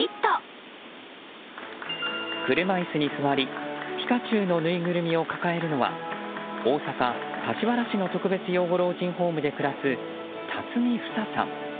車椅子に座り、ピカチュウのぬいぐるみを抱えるのは大阪・柏原市の特別養護老人ホームで暮らす巽フサさん